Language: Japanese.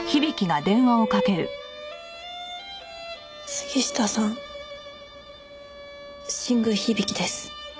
杉下さん新宮響です。